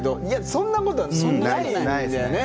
そんなことはないんだよね